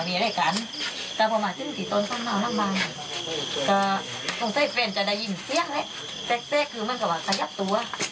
พอไปเดินไปในตอนนึงกำยุดฟังเนี้ยมาเช็บเช้า